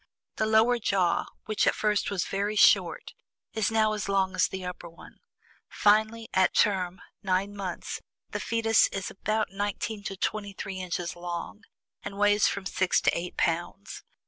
The lower jaw, which at first was very short, is now as long as the upper one. Finally, at term, NINE MONTHS, the fetus is about nineteen to twenty three inches long, and weighs from six to eight pounds.